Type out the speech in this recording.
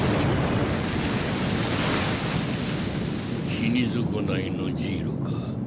死に損ないのジイロか。